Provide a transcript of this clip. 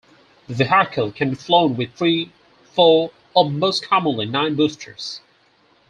The vehicle can be flown with three, four, or, most commonly, nine boosters.